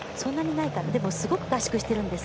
すごく合宿してるんです。